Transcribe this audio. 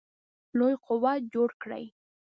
لوی قوت جوړ کړي.